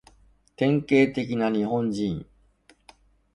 典型的な日本人